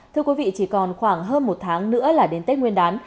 thưa quý vị chỉ còn khoảng hơn một tháng nữa là đến tết nguyên đán